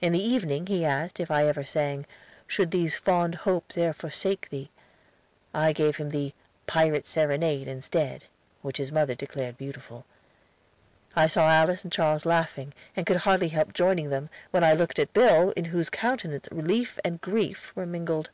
In the evening he asked if I ever sang "Should these fond hopes e'er forsake thee." I gave him the "Pirate's Serenade" instead, which his mother declared beautiful. I saw Alice and Charles laughing, and could hardly help joining them, when I looked at Bill, in whose countenance relief and grief were mingled.